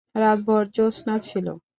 রাতভর জোছনা ছিল।